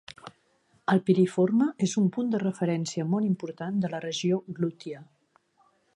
El piriforme és un punt de referència molt important de la regió glútia.